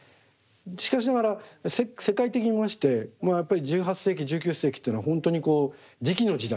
しかしながら世界的に見ましてやっぱり１８世紀１９世紀っていうのは本当に磁器の時代。